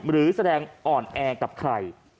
หรือแสดงอ่อนแอกับใคร